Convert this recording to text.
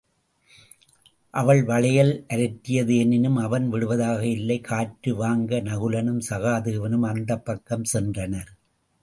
அவள் வளையல் அரற்றியது எனினும் அவன் விடுவதாக இல்லை காற்று வாங்க நகுலனும் சகாதேவனும் அந்தப்பக்கம் சென்றனர்.